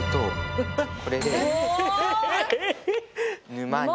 沼に。